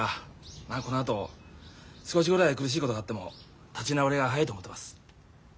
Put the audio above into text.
まあこのあと少しぐらい苦しいことがあっても立ち直りが早いと思ってます。